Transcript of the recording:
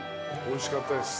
おいしかったです。